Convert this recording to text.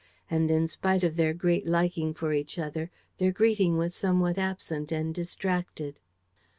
And, in spite of their great liking for each other, their greeting was somewhat absent and distracted.